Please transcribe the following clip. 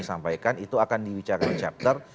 kami sampaikan itu akan di wicara chapter